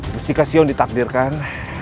mustika sion ditakdirkan